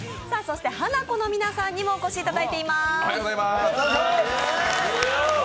ハナコの皆さんにもお越しいただいています。